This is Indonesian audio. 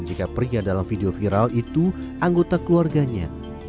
jika pria dalam video viral itu anggota keluarganya